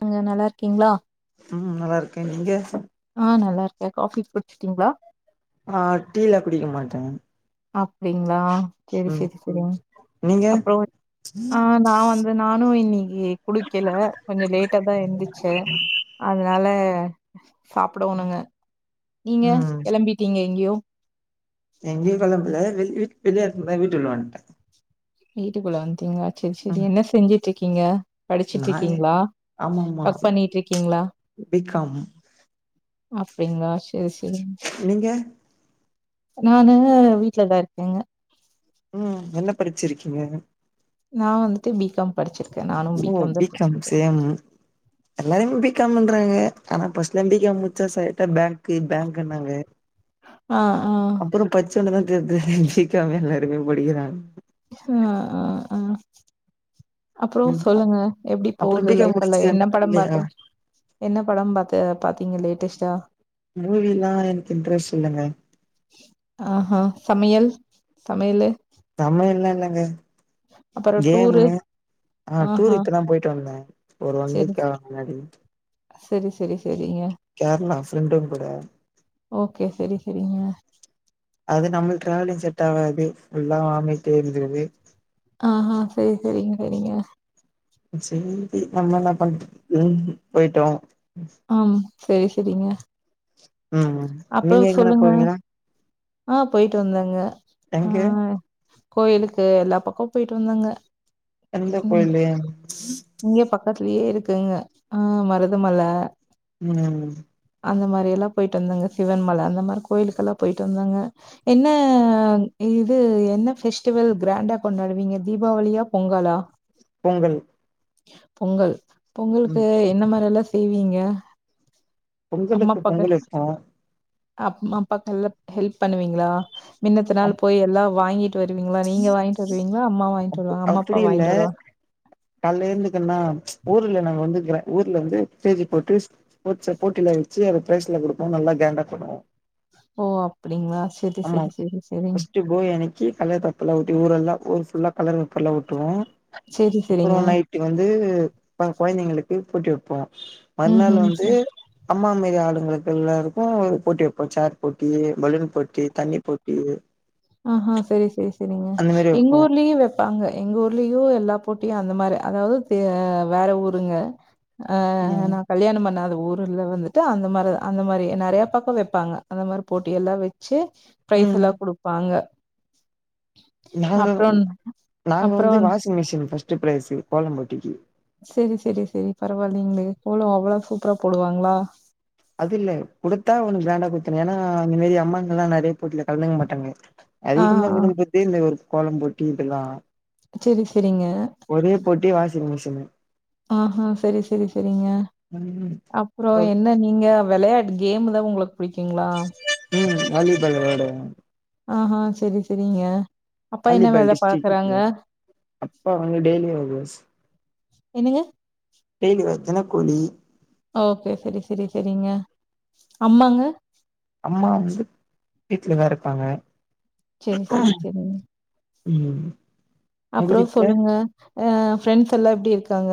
நீங்க நல்லாருக்கீங்ளா ம் நல்லா இருக்கே நீங்க ஆ நல்லா இருக்கே காஃபி குடிச்சிட்டீங்ளா ஆ டீலா குடிக்க மாட்டங்க அப்டிங்ளா சேரி சேரி சேரிங்க நீங்க ஆ நான் வந்து நானு இன்னிக்கி குடிக்கல கொஞ்சோ லேட்டாதா எந்திச்ச அதுனால சாப்புடுவோணுங்க நீங்க ம் கெளம்பிட்டீங்க எங்யோ எங்யோ கெளம்புல வெயில்க் வெளிய அடிச்சுதா வீட்டுகுள்ள வன்ட்ட வீட்டுகுள்ள வன்ட்டீங்ளா சேர் சேரி ம் என்ன செஞ்சுட்ருக்கீங்க நா படிச்சுட்ருக்கீங்ளா ஆமா ஆமா ஒர்க் பண்ணிட்ருக்கீங்ளா பி காம் அப்டிங்ளா செரி செரிங்க நீங்க நானு வீட்லதா இருக்கேங்க ம் என்ன படிச்சிருக்கீங்க நா வந்துட்டு பிகாம் படிச்சிருக்கே நானு ஓ பிகாம் தா பி காம் படிச்சிருக்க சேம் எல்லாருமே பி காம் பண்றாங்க ஆனா ஃபர்ஸ்ட்லா பி காம் முடிச்சா ஸ்டெய்ட்டா பேங்கு பேங்குனாங்க [unintelligible] ஆ ஆ அப்றோ படிச்சவுனே தா தெரியுது பிகாம் எல்லாருமே படிக்கிறாங்கனு ஹ ஆ ஆ அப்ற ம் சொல்லுங்க எப்டி அப்புறோ போது பி காம் லைஃப்ல்லா முடிச்சு என்ன படம் பண்லையா பாத்த என்ன படம் பாத்த பாத்தீங்க லேட்டஸ்ட்டா மூவிலா எனக்கு இன்ட்ரெஸ்ட் இல்லங்க ஆஹா சமையல் சமையலு சமையல்லா இல்லங்க அப்ற டூரு கேமு ஆ டூர் ஆஹா இப்பதா போய்ட்டு வந்த ஒரு ஒன் செரி வீக்கா முன்னாடி செரி செரி செரிங்க கேரளா ஃப்ரெண்டுங் கூட ஓகே செரி செரிங்க அது நம்ளுக்கு ட்ராவலிங் செட் ஆவாது ஃபுல்லா வாமிட் இருந்துது ஆஹா சரி சரி சரிங்க செரி நம்ம என்னா பண்றது [inaudible] போய்ட்டு வாங்க ஆம் செரி செரிங்க ம் அப்ற நீங்க எங்கனா சொல்லுங்க போவீங்களா ஆ போய்ட்டு வந்தங்க எங்க கோயிலுக்கு எல்லா பக்க போய்ட்டு வந்தங்க எந்த கோயிலு இங்க பக்கதுலயே இருக்குங்க ஆ மருதமலை மூனேமூணு அந்த மாரியல்லா போய்ட்டு வந்தங்க சிவன்மலை அந்த மாரி கோயிலுக்கெல்லா போய்ட்டு வந்தங்க என்ன இது எந்த ஃபெஸ்டிவல் கிராண்டா கொண்டாடுவீங்க தீபாவளியா பொங்கலா பொங்கல் பொங்கல் ம் பொங்கலுக்கு என்ன மாரி எல்லா செய்வீங்க பொங்கலுக்கு அம்மாப்பாக்கு பொங்கல் வைப்போ அப் அம்மா அப்பாவுக் எல்லா ஹெல்ப் பண்ணுவீங்ளா மின்னத்துனாள் அப் போய் எல்லா வாங்கிட் வருவீங்ளா நீங்க வாங்கிட்டு வருவீங்ளா அம்மா வாங்கிட் அப் வருவாங்க அம்மா அப்பா அப்டி இல்ல வாங்கிட்டு வருவா கால்ல எழுந்துருக்கனா ஊர்ல நாங்க வந்து கிர ஊர்ல வந்து ஸ்டேஜ் போட்டு போட்ஸ்ச போட்டிலா வச்சு அது பிரைஸ்லா குடுப்போ நல்லா கேங்கா பண்ணுவோ ஓ அப்டிங்களா செரி செரி செரி செரிங்க வீட்டுக்கு போய் அன்னக்கி கலர் பேப்பர்லா ஒட்டி ஊர் எல்லா ஊர் ஃபுல்லா கலர்பேபர்லா ஒட்டுவோ செரி அப்ற செரிங்க நைட் வந்து கொழந்தைங்களுக்கு போட்டி வப்போ ம் மறுநாள் ம் வந்து அம்மா மாரி ஆளுங்களுக் எல்லாருக்கு ஒரு போட்டி வப்போ சேர் போட்டி பலூன் போட்டி தண்ணி போட்டி ஆஹா செரி செரி செரிங்க அந்த மாரி எங்க வெப்போ ஊர்லயு வ ப்பாங்க எங்க ஊர்லயு எல்லா போட்டியு அந்த மாரி அதாவது வேற ஊருங்க ஆ ம் நா கல்யாணம் பண்ணாத ஊருல வந்துட்டு அந்த மாரி அந்த மாரி நெறைய பக்கம் வெப்பாங்க அந்த மாரி போட்டி எல்லா வெச்சு ம் ப்ரைஸல்லா குடுபாங்க நாங்க அப்றம் நாங்க அப்றோ வந்து வந் வாஷிங் மிஷின் ஃபஸ்ட்டு ப்ரைஸு கோலம் போட்டிக்கி செரி செரி செரி பரவாலிங்லே கோலோ அவ்வளோ சூப்பரா போடுவாங்ளா அது இல்ல குடுத்தா ஒண்ணு கிராண்டா குத்துன்னு ஏன்னா இந் இந்மாரி அம்மாங்கல்லா நெறைய போட்டில கலந்துக்க மாட்டாங்க ஆ, அதிகமா ஆ. கூட்டும்போத்தே இல்ல இது ஒரு கோலம் போட்டி இதுக்குதா செரி செரிங்க ஒரே போட்டி வாஷிங் மிஷினு ஆஹா செரி செரி செரிங்க ம் அப்புறோ என்ன நீங்க வெளயா இந்த கேம் எதாவ் உங்களுக்கு பிடிக்குங்க ம் வாலி பால் வெளயாடுவ ஆஹா செரி செரிங்க அப்பா என்ன வாலிபால் வேல டிஸ்ட்ரிக்ட் பாக்குறாங்க அப்பா வந்து டெய்லி வேஜஸ் என்னங்க டெய்லி வே தினக்கூலி ஓகே செரி செரி செரிங்க அம்மாங்க அம்மா வந்து வீட்லதா இருப்பாங்க செரி செரி செரிங்க ம் உங்க அப்பறோ வீட்ல சொல்லுங்க ஆ ஃப்ரெண்ஸ் எல்லா எப்டி இருக்காங்க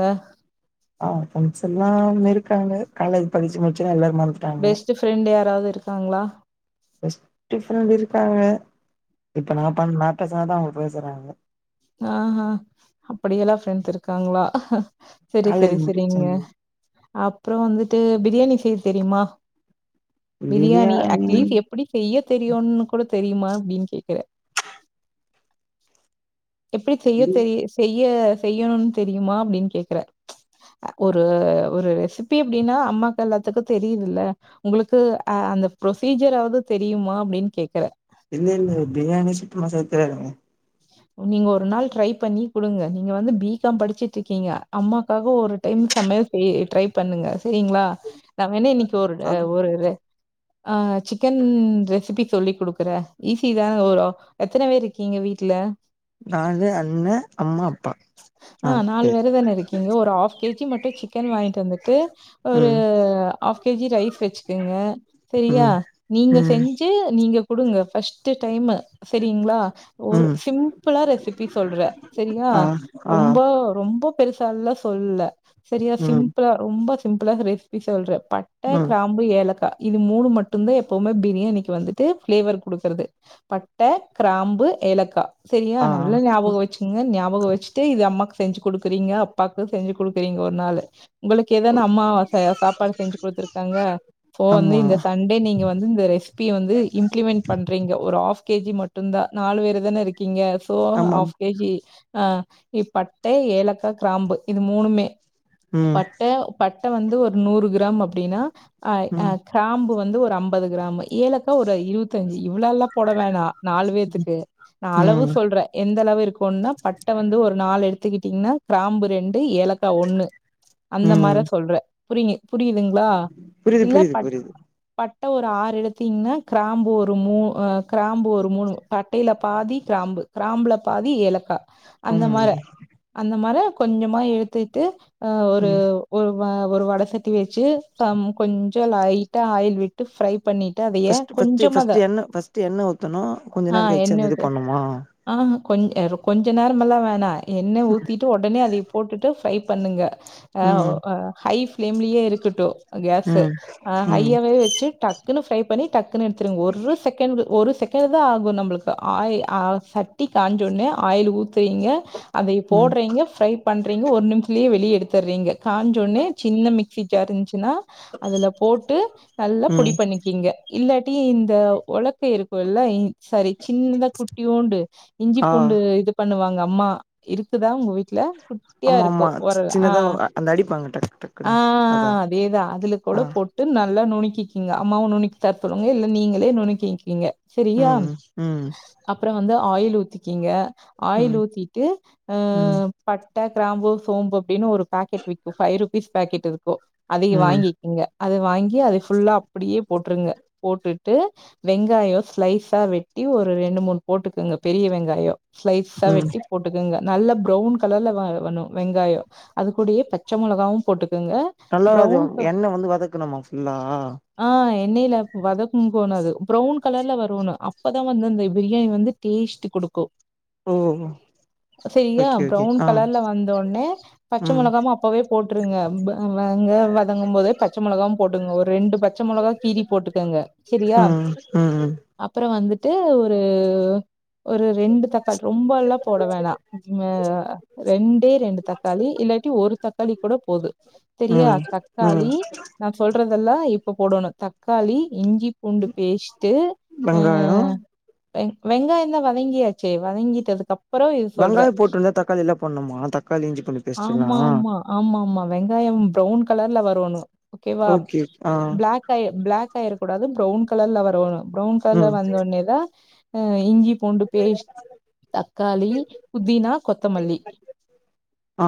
ஆ ப்ரெண்ஸெல்லா இருக்காங்க காலேஜ் படிச்சி முட்ச்சது எல்லாரு மறந்து பெஸ்ட்டு ஃப்ரெண்டு யாராவ்து இருக்காங்ளா பெஸ்ட்டு ஃப்ரெண்டு இருக்காங்க இப்ப நா பண் நா பேசுன தா அவுங்க பேசுறாங்க ஆ ஆ அப்படியெல்லா ஃப்ரெண்ஸ் இருக்காங்களா செரி செரி காலேஜ் செரிங்க முடிச்சோனே அப்றோ வந்துட்டு பிரியாணி செய்ய தெரியுமா பிரியாணி அட்லீஸ் எப்படி செய்ய தெரியுன்னு கூட தெரியுமா அப்டின் கேக்குறே எப்படி செய்ய தெரி செய்ய செய்யணுன் தெரியுமா அப்டின் கேக்குறே ஒரு ஒரு ரெசிபி அப்டின்னா அம்மாக்கள் எல்லாத்துக்கு தெரியுதுல்ல உங்களுக்கு அ அந்த ப்ரொசீஜராவ்து தெரியுமா அப்டின் கேக்குறே இல்லில்ல பிரியாணி சுத்தமா செய்ய தெரியாதுங்க நீங்க ஒரு நாள் ட்ரை பண்ணி குடுங்க நீங்க வந்து பி காம் படிச்சிட்ருக்கீங்க அம்மாக்காக ஒரு டைம் சமையல் செய் ட்ரை பண்ணுங்க செரிங்ளா நா வேணா இன்னிக்கு ஒரு ட சாப்டு ஒரு ர ஆ சிக்கன் ரெசிபி சொல்லி கேடுக்குறன் ஈஸி தா ஒரு எத்தன பேர் இர்க்கீங்க வீ ட்ல நானு அண்ண அம்மா அப்பா ஆ நால் நாலு பேர் வேரு தான இருக்கீங்க ஒரு ஹாஃப் கேஜி மட்டு சிக்கன் வாய்ன்ட் வந்துட்டு ஒரு ம் ஹாஃப் கேஜி ரைஸ் வெச்சிக்குங்க செரியா ம் நீங்க ம் செஞ்சி நீங்க குடுங்க ஃபஸ்டு டைமு செரிங்ளா ஒரு ம் சிம்பிளா ரெசிபி சொல்றே செரியா ஆ ஆ ரொம்ப ரொம்ப பெருசால்லா சொல்ல செரியா ம் சிம்பிளா ரொம்ப சிம்பிளா ரெசிபி சொல்றே பட்ட ம் கிராம் பு ஏலக்கா இது மூணு மட்டுந்தா எப்பவுமே பிரியாணிக்கு வந்துட்டு ஃப்ளேவர் குடுக்குறது பட்ட கிராம்பு ஏலக்கா செரியா ஆ நல்ல ஞாபகோ வெச் சிங்க ஞாபக வெச்சிட்டு இது அம்மாவுக்கு செஞ்சி குடுக்குறீங்க அப்பாவுக்கு செஞ்சி குடுக்குறீங்க ஒர் நாளு உங்களுக்கேதான அம்மா ஆசையா சாப்பாடு செஞ்சி குடுத்துருக்காங்க சோ வந்து ஆமா இந்த சா ஒன்டே நீங்க வந்து இந்த ரெசிபிய வந்து இம்ப்ளிமெண்டட் பண்றீங்க ஒரு ஆஃப் கே ஜி மட்டுந்தா நாலு பேர் தானே இருக்கீங்க சோ ஆமாம் ஹாஃப் கே ஜி ஆ இ பட்ட ஏலக்கா கிராம்பு இது மூணுமே ம் பட்ட பட்ட வந்து ஒரு நூறு கிராம் அப்டின்னா ஆய் அ ம் கிராம்பு வந்து ஒரு அம்பது கிராம் ஏலக்கா ஒரு இருவத்தஞ்சி இவ்ளோல்லா போட வேணா நாலு வேத்துக் கு நா அளவு ம் சொல்றே எந்த அளவு இருக்குனா பட்ட வந்து ஒரு நாலு எடுத் துக்கிட்டீங்கன்னா கிராம்பு ரெண்டு ஏலக்கா ஒன்னு அந்த மாரா ம் சொல்றே புரிங்கு புரியுதுங்களா புரியுது இல்ல புரியுது பட் புரியுது பட்ட ஒரு ஆறு எடுத்தீங்கன்னா கிராம்பு ஒரு மூ அ கிராம்பு ஒரு மூணு ட்டையில பாதி கிராம்பு கிராம்புல பாதி ஏலக்கா அந்த ம் மா அந்த மாரா கொஞ்சமா எய்த் எய்த்து அ ஒரு ம் ஒரு வ ஒரு வட சட்டி வச்சு சம் கொஞ்சொ லைட்டா ஆயில் விட்டு ஃப்ரை பண்ணிட் ட அத ஏ கொஞ்சமா வெ ட்டு எண்ண ஊத்தனு ஆ எண்ண ஊத்து ஆஹ கொஞ் அரு கொஞ்ச நேரமெல்லா வேணா எண்ண ஊத்திட் ட்டு ஓடனே அதை போட்டுட்டு ஃப்ரை பண்ணுங்க. ஆ ஓ ம் ஹை ஃபிளேம்லயே இருக்கட்டு கேஸ் ம் ஆ ம் ஹையாவே வச்சி டக் குனு ப்ரை பண்ணி டக்குனு எடுத்துடுங்க ஒரு செகண்ட் ஒரு செகண்ட்தா ஆ கு நம்மளுக்கு ஆய ஆ சட்டி காஞ்சோனே ஆயில் ஊத்துவீங்க அதை ம் போடுறீங்க ஃப்ரை பண்றீங்க ஒரு நிமிஷத்துலே வெளிய எடுத்தறீங்க காஞ்சொன்னே சின்ன மிக்சி ஜார் இருந்ச்சுன்னா அதுல போட்டு நல்லா பொடி ம் பண்ணி கீங்க இல்லாட்டி இந்த ஒலக்க இருக்குல்ல இங் சரி சின்னதா குட்டியூண்டு இஞ்சி ஆ பூண்டு இது பண்ணுவாங்க அம்மா இருக்குதா உங்க வீட்ல குட்டியா ஆமா இருக்கு ஆமா ஒரல் அ சின்னதா அந்த அடிப்பாங்க டக் ஆ டக்குன்னு அதா அதேதா அதுல ஆ கூட போட் டு நல்லா நுனுக்கிக்கீங்க அம்மாவ நுனுக்கி தர சொல்லுங்க இல்ல நீங்களே நுணுக்கிக்கீங்க. ம் ம் ம். அப்பறோ வந்து ஆயில் ஊத்திக்கீங்க ஆயில் ம் ஊத்திட்டு அ ம் பட்ட கிராம்பு சோம்பு அப்டின்னு ஒரு பாக்கெட் விக்கு ஃபைவ் ருபீஸ் பாக்கெட் இருக்கு அதையு ம் வாங்கி ங்க அத வாங்கி அதை ஃபுல்லா அப்டியே போட்ருங்க போட்டுட்டு வெங்காயோ ஸ்லைஸா வெட் டி ஒரு ரெண்டு மூணு போட்டுக்குங்க பெரிய வெங்காயொ ஸ்லைஸா ம் வெட்டி போட் டுக்குங்க நல்ல ப்ரௌன் கலர்ல வதகணு வெங்காயொ அது கூடிய பச்ச மொளகாவும் போட்டுக்குங்க. நல்லா அது எண்ணெ வந்து வதக்கணுமா ஃபுல்லா ஆ எண்ணெயில வதக்குனு போனது ப்ரௌன் கலர்ல வருணு. அப்பதா வந்து அந்த பிரியாணி வந்து டேஸ்ட்டு குடுக்கு ஓ செரியா ஓகே ஓகே ப்ரவுன் ஆ கலர்ல வந்தோனே பச்ச ம் மொளகாவு அப் பவே போட்டுருங்கங்க ப வெங்க வதங்கும் போதே பச்ச மொளகாவு போட்டுங்க ஒரு ரெண்டு பச் ச மொளகா கீறி போட்டுக்கங்க சேரியா ம் ம் ம் அப்றோ வந்துட்டு ஒரு ஒரு ரெண்டு தக்காளி ரொம்ப எல்லா போட வேணா ஆ ரெண்டே ரெண்டு தக் காளி இல்லாட்டி ஒரு தக்காளி கூட போது தெரியா ம் ம் தக்காளி நா சொல்றதெல்லா இப்ப போடணு தக்காளி இஞ்சி பூண்டு பேஸ்ட்டு வெங்காயோ வெ வெங்காயந்தா வதங்கியாச்சே வதங்கிட்டதுக்கப் அப்பற இது சொல்ற வெங்காயோ போட்டுருந்தா தக்காளிலா போட்ணுமா தக்காளி இஞ்சி பூண்டு பேஸ்ட்லா ஆமா ஆமா ஆமா ஆமா வெங்காயம் ப்ரௌன் கலர்ல வரோணு ஓகே வா பிளாக் காயோ பிளாக் ஆயிரக் கூடாது ப்ரௌன் கலர்ல வரோனு ப்ரௌன் கல ம் வந்த ஓட்னே தா அ இஞ்சி பூண்டு பேஷ் தக்காளி புதினா கொத்தமல்லி ஆ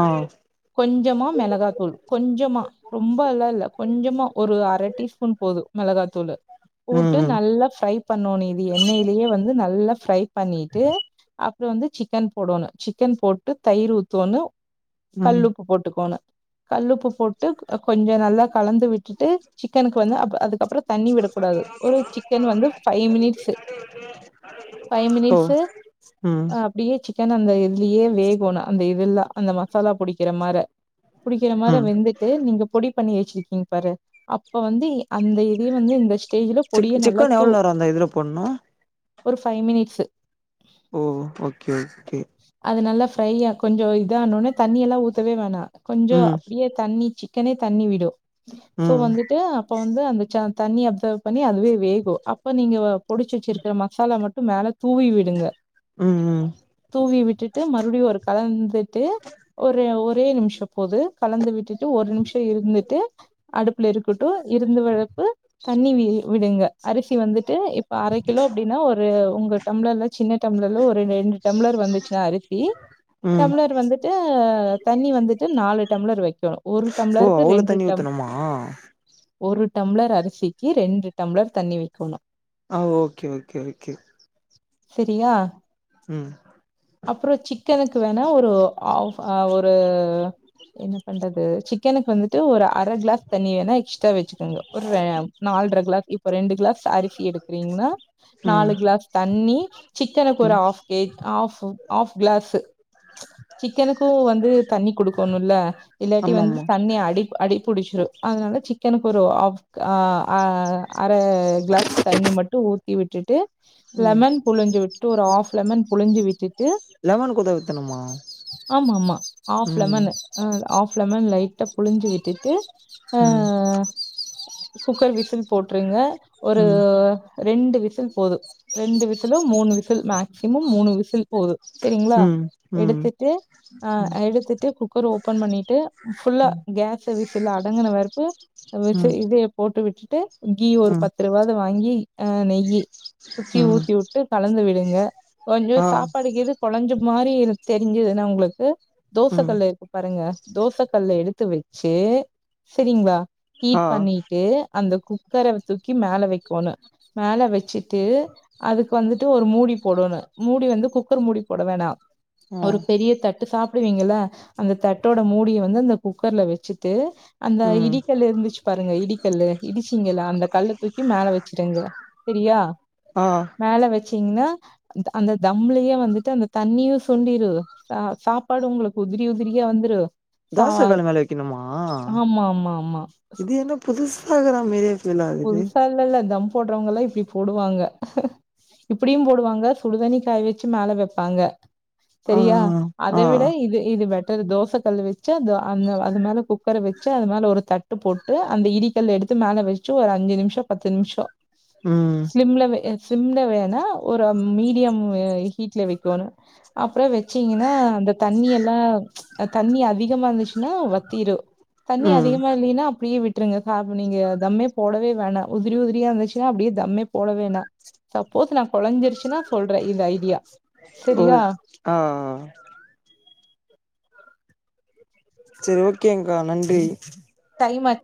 கொஞ்சமா மிளகா தூள் கொஞ்சமா ரொம்ப அல்லா இல்ல கொஞ்சமா ஒரு அர டீஸ்பூன் போது மிளகாத்தூளு போட்டு ம் ம் நல்லா ஃப்ரை பண்ணோனு இது எண்ணெய்லேயே வந்து நல்லா ஃப்ரை பண்ணிட்டு அப்பற வந்து சிக்கன் போடோணு சிக்கன் போட்டு தயிர் ஊத்தோன்னு கல் ம் உப்பு போட்டுக்கோணு கல் உப்பு போட்டு கொஞ்ச நல்லா கலந்து விட்டுட்டு சிக்கனுக்கு வந்து அப்ப அதுக்கப்பற தண்ணி விடக்கூடாது ஒரு சிக்கன் வந்து ஃபை மினிட் ஃபை ஓ மினிட்ஸு ம் அ அப்டியே சிக்கன் அந்த இதுலியே வேகோணு அந்த இதுல்லா அந்த மசாலா பொடி க்கிர மார புடிக்கிற மார ம் வெந்து த்து நீங்க பொடி பண்ணி வச்சிருக்கீங்க பாரு அப்ப வந்து அந்த இதையே வந்து இந்த ஸ்டேஜ்ல சி பொடிய நல்லா சிக்கன தூ எவ்ளோ நேரம் அந்த இதுல போட்ணு ஒரு ஃபை மினிட்ஸு ஓ ஓகே ஓகே அது நல்லா ஃப்ரை ஆ கொஞ்சோ இத ஆனோனே தண்ணி எல்லா ஊத்தவே வேணா கொஞ்சோ ம் அப்டியே தண்ணி சி க்கனே தண்ணி விடு சோ ம் வந்துட்டு இப்ப வந்து அந்த ச தண்ணிய அப்சர்வ் பண்ணி அதுவே வேகு அப்ப நீங்க வ பொடுச்ச வச்சிருக்க மக் மசாலா மட்டு மேல தூவி விடுங்க ம் ம் தூவி விட்டுட்டு மறுபடியு ஒரு கலந்துட்டு ஒரே ஒரே நிமிஷ போது கலந்து விட்டுட்டு ஒரு நிமிஷ இருந்துட்டு அடுப்புல இருக்கட்டு இருந்து வளப்பு தண்ணி வி விடுங்க அரிசி வந்துட்டு இப்ப அர கிலோ அப்டின்னா ஒரு ஒங்க டம்ளர்ல சின்ன டம்ளர்ல ஒரு ரெண்டு டம்ளர் வந்துச்சு அரிசி ம் டம்ளர் வந்து ச்சு தண்ணி வந்துட்டு நாலு டம்ளர் வக்கணு ஒரு ஓ டம்ளருக்கு அவ்ளோ ரெண்டு தண்ணி டம் ஊத்தணுமா ஒரு டம்ளர் அரிசிக்கு ரெண்டு டம்ளர் தண்ணி வக்கோணு ஆ ஓகே ஓகே ஓகே சேரியா ம் அப்புற சிக்கனுக்கு வேணா ஒரு ஆ ஒரு என்ன பண்றது சிக்கனுக்கு வந்து ட்டு ஒரு அர கிளாஸ் தண்ணிய வேணா எக்ஸ்ட்ரா வச்சுக்குங்க ஒரு நால்ற கிளாஸ் யுத் ஒரு ரெண்டு கிளாஸ் அரிசி எடுக்கறீங்னா ம் நாலு கிளாஸ் தண்ணி சிக்கனுக்கு ஒரு ம் half K half half glass சிக்கனுக்கு வந்து தண்ணி குடுக்கணு இல்ல இல்லாட்டி ஆமா வந்து ஆமா தண்ணி அடிப் அடிபுடிச்சுரு அதனால சிக்கனுக்கு ஒரு ஆஃப் அ அ அர கிளாஸ் தண்ணி மட்டு ஊத்தி விட்டுட்டு ம் லெமன் புழிஞ்சு விட்டுட்டு ஒரு ஹாஃப் லெமன் புழிஞ்சு விட் டு லெமன் கூட ஊத்தணுமா ஆமா ஆமா ஆஃப் ம் லெமனு அ ஆஃப் லெமன் லைட்டா புழுஞ்சு விட்டுட்டு அ ஆ குக்கர் விசில் போட்டுருங்க ஒரு ம் ரெண்டு விசில் போது ரெண்டு விசிலு மூணு விசில் மேக்சிமம் மூணு விசில் போது செரிங்களா ம் ம் ம் எடுத்துட்டு அ எடுத்துட்டு குக்கர் ஓப்பன் பண்ணிட்டு ஃபுல்லா ம் கேஸ் விசுலு அடங்கின வறுப்பு ம் விசில் இது போட்டு விட்டுட்டு கீ ஒரு ம் பத்து ரூபது வாங்கி அ நெய்யி சுத்தி ம் ஊத்தி விட்டு கலந்து விடுங்க கொஞ்சோ ஆ சாப்பாடுக்குது கொலஞ்ச மாரி தெரிஞ்சதுன்னா ஒங்களுக்கு தோச ம் கல்லு இருக்கு பாருங்க தோச கல்ல எடுத்து வச்சு செரிங்ளா ஆ ஹீட் பண்ணிட்டு அந்த குக்கர தூக்கி மேல வைக்கோணு மேல வச்சுட்டு அதுக்கு வந்துட்டு ஒரு மூடி போடோனு மூடி வந்து குக்கர் மூடி போட வேணா ஆ ஒரு பெரிய தட்டு து சாப்பிடுவீங்கள அந்த தட்டோட மூடிய வந்து அந்த குக்கர்ல வச்சுட்டு அந்த ம் இடிக்கல்லு இருந்துச்சு பாருங்க இடிக்கல்லு இடிச்சிங்கலா அந்த கல்ல தூக்கி மேல வச்சுடுங்க செரியா ஆ மேல வச்சீங்க அந்த தம்ளயே வந்துட்டு அந்த தண்ணியு சுண்டிரு சாப்பாடு உங்களுக்கு உதிரி உதிரியா வந்துரு சா தோச கல்லு மேல வைக்கணுமா ஆமா ஆமா ஆமா இது என்ன புதுசா இக்ரமேரி புதுசாலா இல்ல தம் போடுறவங்க எல்லா இப்டி போடுவாங்க இப்டியு போடுவாங்க சுடுதண்ணி காய வச்சு மேல வப்பாங்க ஆ செரியா அத ஆ விட இது இது பெட்டர் தோச கல்லு வச்சு அந்த அந்த அது மேல குக் குக்கர வச்சு அது மேல ஒரு தட்டு போட்டு அந்த இடிக்கல்லு எடுத்து மேலே வச்சு ஒரு அஞ்சு நிமிஷோ பத்து நிமிஷோ ம் சிம்லவையே சிம்ல வேணா ஒரு மீடியமு ஹீட்ல வைக்கோணு அப்றோ வெச்சீங்கென்னா அந்த தண்ணி எல்லா தண்ணி அதிகமா இருந்துச்சுன்னா வத்திரு தண்ணி ம் அதிகமா இல்லையின்னா அப்டியே விட்டுருங்க சாப் நீங்க தம்மே போடவே வேணா உதிரி உதிரியா இருந்துச்சுன்னா அப்டியே தம்மே போட வேணா சப்போஸ் நா கொலைஞ்சிருச்சுன்னா சொல்றே இந்த ஐடியா ஓ செரியா ஆ செரி ஓகேங்கா நன்றி டைம் ஆச்